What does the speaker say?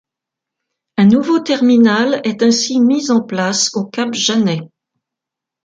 Un nouveau terminal est ainsi mis en place au cap Janet.